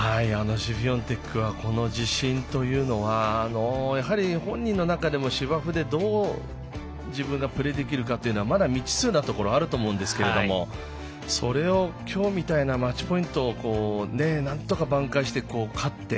シフィオンテクはこの自信というのは本人の中でも芝生でどう自分がプレーできるかまだ未知数なところがあると思うんですがそれを今日みたいなマッチポイントをなんとか挽回して勝って。